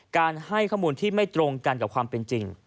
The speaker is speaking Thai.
การให้ข้อมูลที่ไม่ตรงกันกับความเป็นจริง